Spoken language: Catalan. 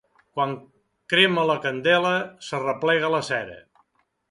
Quan crema la candela, s'arreplega la cera.